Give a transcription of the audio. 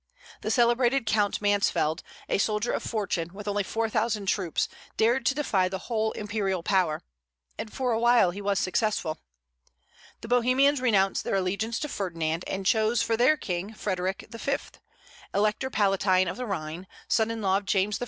The celebrated Count Mansfeld, a soldier of fortune, with only four thousand troops, dared to defy the whole imperial power; and for a while he was successful. The Bohemians renounced their allegiance to Ferdinand, and chose for their king Frederick V., Elector Palatine of the Rhine, son in law of James I.